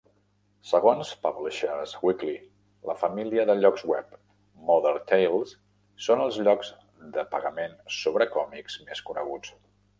Segons "Publishers Weekly", la família de llocs web Modern Tales són els llocs de pagament sobre còmics més coneguts.